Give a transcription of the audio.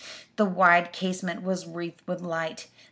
The wide casement was wreathed with light.